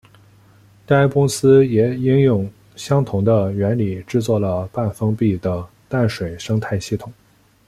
该公司也应用相同的原理制作了半封闭的淡水生态系统。